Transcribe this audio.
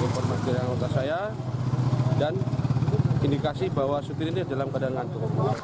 informasi dari anggota saya dan indikasi bahwa supir ini dalam keadaan ngantuk